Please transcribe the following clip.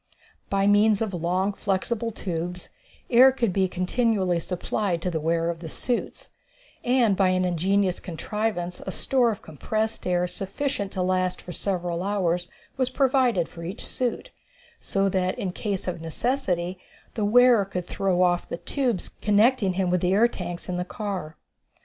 By means of long, flexible tubes, air could be continually supplied to the wearers of the suits, and by an ingenious contrivance a store of compressed air sufficient to last for several hours was provided for each suit, so that in case of necessity the wearer could throw off the tubes connecting him with the air tanks in the car.